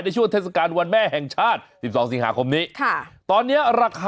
ในช่วงเทศกาลวันแม่แห่งชาติ๑๒สิงหาคมนี้